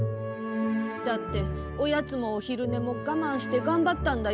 だっておやつもおひるねもがまんしてがんばったんだよ。